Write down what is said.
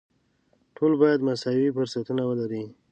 ټول باید مساوي فرصتونه ولري.